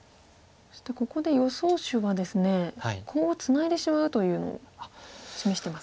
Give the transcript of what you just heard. そしてここで予想手はですねコウをツナいでしまうというのを示してます。